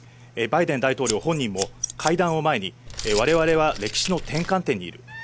バイデン大統領本人も会談を前に我々は歴史の転換点にいる。